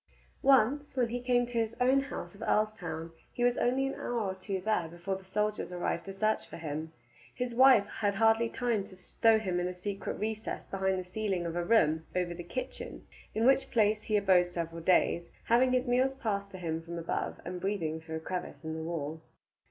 Once when he came to his own house of Earlstoun he was only an hour or two there before the soldiers arrived to search for him. His wife had hardly time to stow him in a secret recess behind the ceiling of a room over the kitchen, in which place he abode several days, having his meals passed to him from above, and breathing through a crevice in the wall.